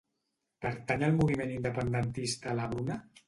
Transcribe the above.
Pertany al moviment independentista la Bruna?